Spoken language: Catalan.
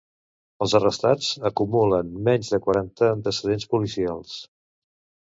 Els arrestats acumulen menys de quaranta antecedents policials.